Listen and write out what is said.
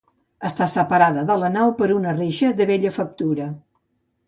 Està separada de la nau per una reixa de bella factura.